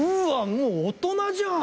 もう大人じゃん！